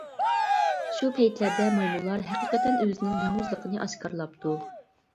شۇ پەيتلەردە مايمۇنلار ھەقىقەتەن ئۆزىنىڭ ياۋۇزلۇقىنى ئاشكارىلاپتۇ.